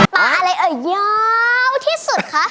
มาอะไรเอ่อยาวที่สุดคะ